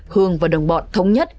hương và đồng bọn thống nhất